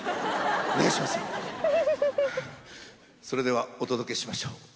それではお届けしましょう。